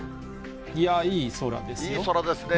いや、いい空ですね。